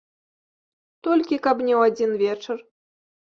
Толькі каб не ў адзін вечар.